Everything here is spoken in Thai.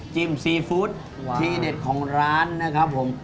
ซีฟู้ดทีเด็ดของร้านนะครับผม